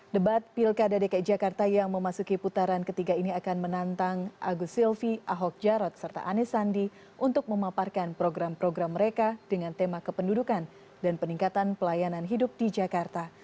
debat pilkada dki jakarta yang memasuki putaran ketiga ini akan menantang agus silvi ahok jarot serta anis sandi untuk memaparkan program program mereka dengan tema kependudukan dan peningkatan pelayanan hidup di jakarta